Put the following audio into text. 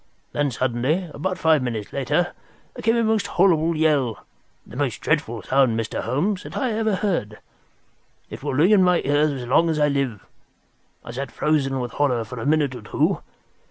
Then suddenly, about five minutes later, there came a most horrible yell—the most dreadful sound, Mr. Holmes, that ever I heard. It will ring in my ears as long as I live. I sat frozen with horror for a minute or two.